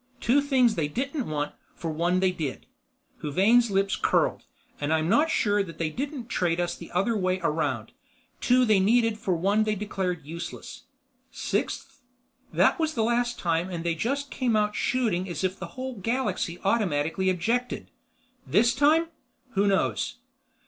Two things they didn't want for one they did," Huvane's lips curled, "and I'm not sure that they didn't trade us the other way around; two they needed for one they declared useless. Sixth? that was the last time and they just came out shooting as if the whole galaxy automatically objected. This time? Who knows?"